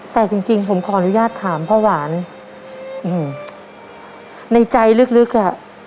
แต่จริงผมขออนุญาตถามพ่อหวานในใจลึกอะ